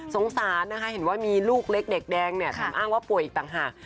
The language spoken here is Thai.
สงสารนะคะเห็นว่ามีลูกเล็กเด็กแดงเนี่ยทำอ้างว่าป่วยอีกต่างหาก